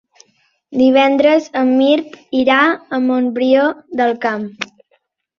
Divendres en Mirt irà a Montbrió del Camp.